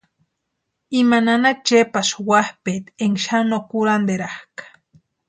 Ima nana Chepasï wapʼeeti énka xani no kurhanterakʼa.